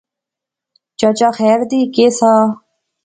چچا خیر دی، کہہ سا؟